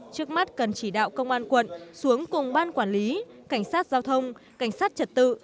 trước mắt cần chỉ đạo công an quận xuống cùng ban quản lý cảnh sát giao thông cảnh sát trật tự